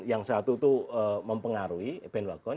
yang satu itu mempengaruhi bandwagon